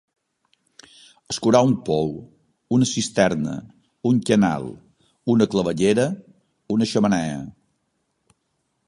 Escurar un pou, una cisterna, un canal, una claveguera, una xemeneia.